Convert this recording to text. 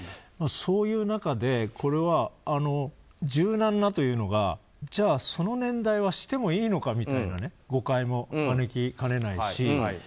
そういう中で、これは柔軟なというのがじゃあ、その年代はしてもいいのかみたいな誤解も招きかねないし。